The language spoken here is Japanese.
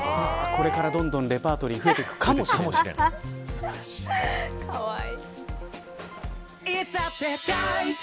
これからどんどんレパートリーが増えていくかもしれない。